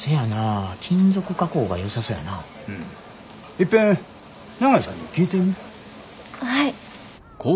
いっぺん長井さんに聞いてみ。